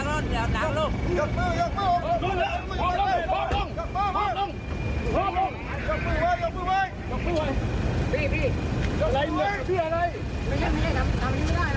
ออกลุงมาจังหวัดเผื่อทำหนักลุง